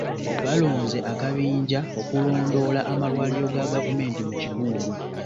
Balonze akabinja okulondoola amalwaliro ga gavumenti mu kitundu.